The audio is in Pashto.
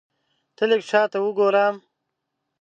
ته لږ شاته وګوره !